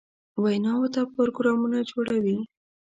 ویناوو ته پروګرامونه جوړوي.